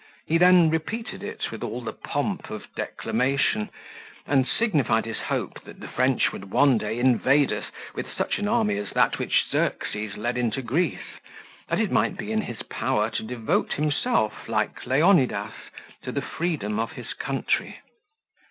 He then repeated it with all the pomp of declamation, and signified his hope, that the French would one day invade us with such an army as that which Xerxes led into Greece, that it might be in his power to devote himself, like Leonidas, to the freedom of his country.